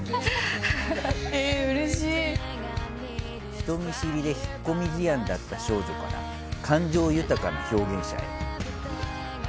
人見知りで引っ込み思案だった少女から感情豊かな表現者へ。